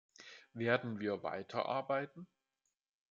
Werden wir weiterarbeiten?